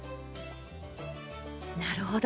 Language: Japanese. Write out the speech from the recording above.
なるほど。